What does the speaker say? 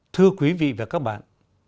thưa quý vị và các bạn